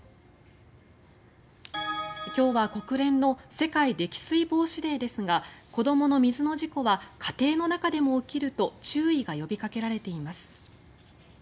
今日は国連の世界溺水防止デーですが子どもの水の事故は家庭の中でも起きると注意が呼びかけられています。